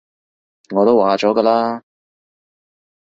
我都話咗嘅啦